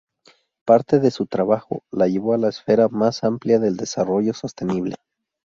Parte de su trabajo la llevó a la esfera más amplia del desarrollo sostenible.